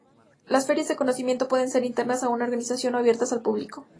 Las ferias de conocimiento pueden ser internas a una organización o abiertas al público.